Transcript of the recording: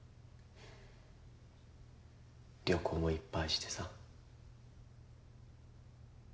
旅行もいっぱいしてさ。